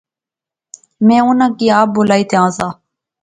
میں اُنہاں کی آپ بلائی تے آنزا